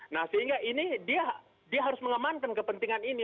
nah sehingga ini dia harus mengamankan kepentingan ini